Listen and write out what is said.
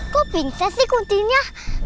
kok pingsan sih kuntinya